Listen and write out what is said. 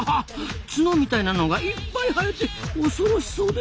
角みたいなのがいっぱい生えて恐ろしそうですねえ。